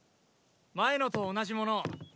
前のと同じものを。